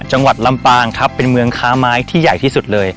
จังหวัดลำปางครับเป็นเมืองค้าไม้ที่ใหญ่ที่สุดเลย